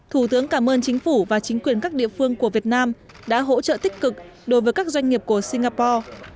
thủ tướng cảm ơn chính phủ và chính quyền các địa phương của việt nam đã hỗ trợ tích cực đối với các doanh nghiệp của singapore